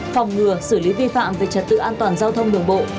phòng ngừa xử lý vi phạm về trật tự an toàn giao thông đường bộ